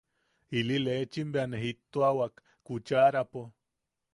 Ili lechim bea ne jiʼituawak kuchaʼarapo.